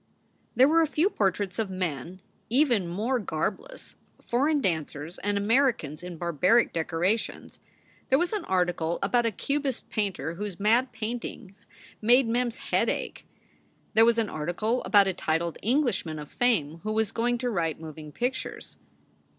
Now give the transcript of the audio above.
There were a few portraits of men even more garbless, foreign dancers and Americans in barbaric decorations. There was an article about a Cubist painter whose mad paintings made Mem s head ache. There was an article about a titled Englishman of fame who was going to write moving pictures.